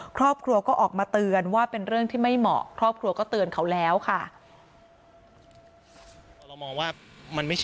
ครอบครัวก็ออกมาเตือนว่าเป็นเรื่องที่ไม่เหมาะครอบครัวก็เตือนเขาแล้วค่ะ